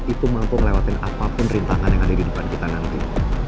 itu mampu ngelewatin apapun rintangan yang ada di depan kita nanti